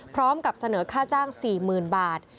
พร้อมกับเสนอค่าจ้าง๔๐๐๐บาท